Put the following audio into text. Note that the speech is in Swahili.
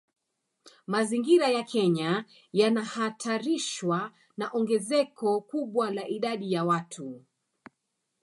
Mazingira ya Kenya yanahatarishwa na ongezeko kubwa la idadi ya watu